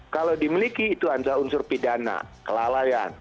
kalau dimiliki itu adalah unsur pidana kelalaian